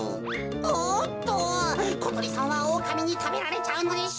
おっとことりさんはおおかみにたべられちゃうのでしょうか。